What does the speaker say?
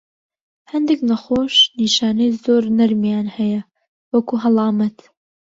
هەندێک نەخۆش نیشانەی زۆر نەرمیان هەیە، وەکو هەڵامەت.